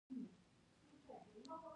دا برج د یو زرو شپیتم کال شاوخوا جوړ شو.